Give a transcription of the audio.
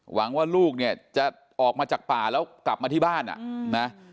หวังว่าลูกเนี่ยจะออกมาจากป่าแล้วกลับมาที่บ้านอ่ะนะ